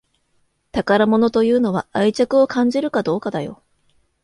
宝物というのは愛着を感じるかどうかだよ